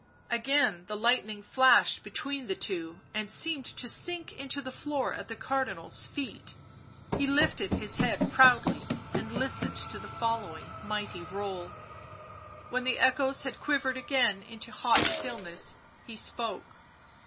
Again the lightning flashed between the two, and seemed to sink into the floor at the Cardinal's feet. He lifted his head proudly and listened to the following mighty roll; when the echoes had quivered again into hot stillness he spoke.